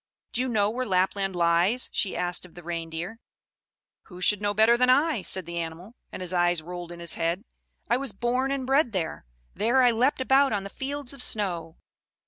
Do you know where Lapland lies!" she asked of the Reindeer. "Who should know better than I?" said the animal; and his eyes rolled in his head. "I was born and bred there there I leapt about on the fields of snow."